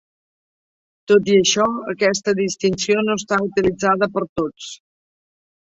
Tot i això, aquesta distinció no està utilitzada per tots.